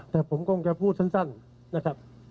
แต่ผมก็แค่พูดสั้นนะครับ